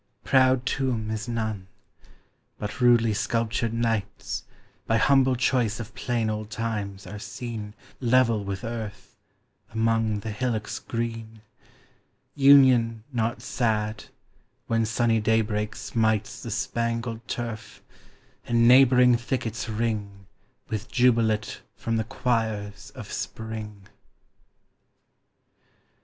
Proud tomb is none; but rudely sculptured knights, By humble choice of plain old times, are seen 10 Level with earth, among the hillocks green: Union not sad, when sunny daybreak smites The spangled turf, and neighbouring thickets ring With jubilate from the choirs of spring!